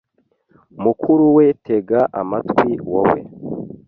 mukuru we tega amatwi wowe